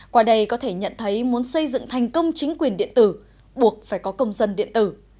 qua đây có thể nhận thấy muốn xây dựng thành công chính quyền điện tử buộc phải có công dân điện tử